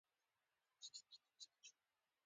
هغه وايي: "ما د جیمیني ستورمزلو په اړه د یوې.